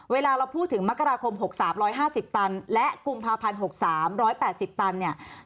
เวลาเราพูดถึงมกราคม๖๓๑๕๐ตันและกุมภาพันธ์๖๓๑๘๐ตันเนี่ย